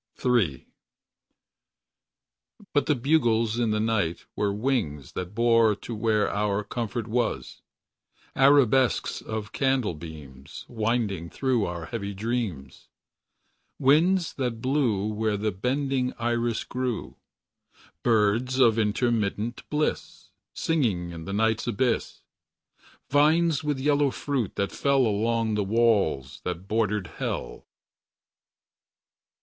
III. But the bugles, in the night But the bugles, in the night. Were wings that bore To where our comfort was; Arabesques of candle beams. Winding Through our heavy dreams; Winds that blew Where the bending iris grew; Birds of intermitted bliss. Singing in the night's abyss; Vines with yellow fruit. That fell Along the walls That bordered Hell.